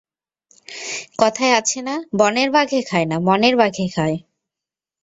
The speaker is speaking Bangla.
কথায় আছে না-বনের বাঘে খায় না, মনের বাঘে খায়?